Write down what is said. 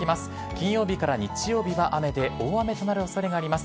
金曜日から日曜日は雨で、大雨となるおそれがあります。